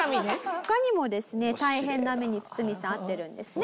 他にもですね大変な目にツツミさん遭ってるんですね。